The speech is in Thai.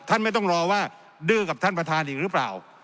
ไม่ต้องรอว่าดื้อกับท่านประธานอีกหรือเปล่า